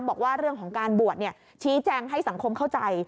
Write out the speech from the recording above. บอกว่าเรื่องของการบวชชี้แจงให้สังคมเข้าใจ